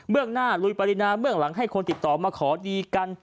เรื่องหน้าลุยปรินาเบื้องหลังให้คนติดต่อมาขอดีกัน